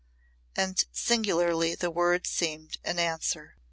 And singularly the words seemed an answer.